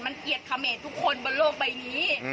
มันเกลียดเขมรทุกคนบนโลกใบนี้